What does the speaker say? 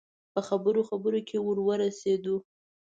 په خبرو خبرو کې ور ورسېدو.